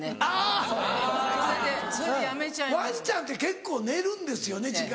ワンちゃんって結構寝るんですよね時間。